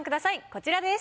こちらです。